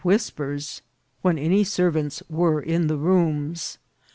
whispers when any servants were in the rooms.